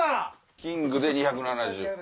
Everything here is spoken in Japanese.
キングで２７０。